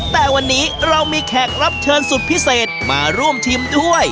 แต่วันนี้เรามีแขกรับเชิญสุดพิเศษมาร่วมชิมด้วย